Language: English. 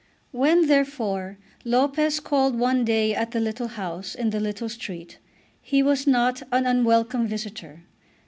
When, therefore, Lopez called one day at the little house in the little street he was not an unwelcome visitor.